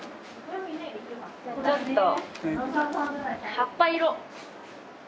葉っぱ色。